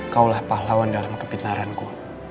kau lah pahlawan dalam kepintaranku